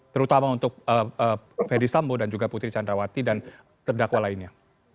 terutama untuk fedy sambo dan juga putri candrawati dan terdakwa lainnya